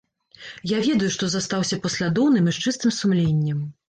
Я ведаю, што застаўся паслядоўным і з чыстым сумленнем.